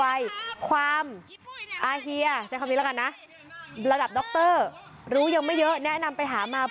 เลิกเลิกเลิกเลิกเลิกเลิกเลิกเลิกเลิกเลิกเลิกเลิกเลิกเลิกเลิก